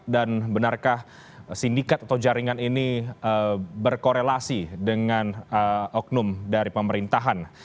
dan benarkah sindikat atau jaringan ini berkorelasi dengan oknum dari pemerintahan